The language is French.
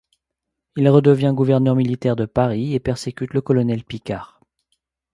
Il redevient gouverneur militaire de Paris et persécute le colonel Picquart.